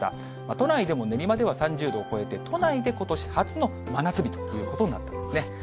都内でも練馬では３０度を超えて、都内でことし初の真夏日ということになりましたね。